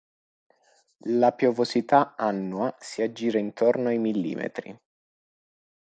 La piovosità annua si aggira intorno ai mm.